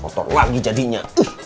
kotor lagi jadinya